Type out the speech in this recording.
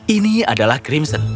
ini adalah crimson